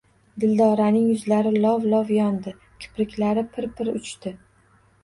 Dildoraning yuzlari lov-lov yondi, kipriklari pir-pir uchdi.